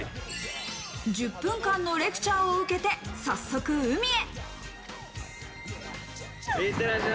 １０分間のレクチャーを受けて早速海へ。